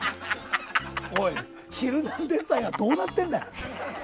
おい、「ヒルナンデス！」さんどうなってるんだ。